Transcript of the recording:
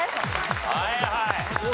はいはい。